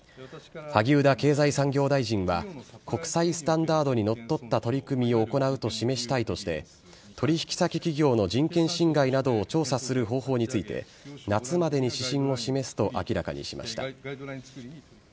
萩生田経済産業大臣は国際スタンダードにのっとった取り組みを行うと示したいとして、取り引き先企業の人権侵害などを調査する方法について、夏までに指針を示すと明らかにしました。